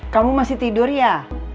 kamu masih tidur ya